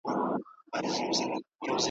تا په پټه هر څه وکړل موږ په لوڅه ګناه کار یو `